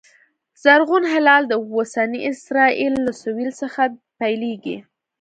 زرغون هلال د اوسني اسرایل له سوېل څخه پیلېږي